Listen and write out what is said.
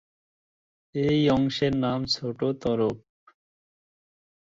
এই অংশের নাম ছোট তরফ।